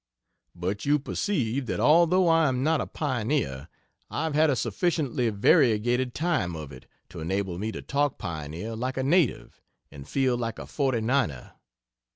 But you perceive that although I am not a Pioneer, I have had a sufficiently variegated time of it to enable me to talk Pioneer like a native, and feel like a Forty Niner.